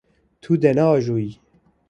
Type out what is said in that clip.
Tu dê neajoyî.